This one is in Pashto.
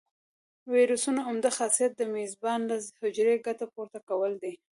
د ویروسونو عمده خاصیت د میزبان له حجرې ګټه پورته کول دي.